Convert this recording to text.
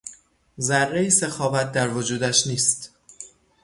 ذرهای سخاوت در وجودش نیست.